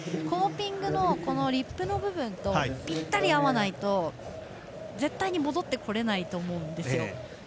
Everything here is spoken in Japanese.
コーピングのリップの部分とぴったり合わないと絶対に戻ってこれないと思うんですよ。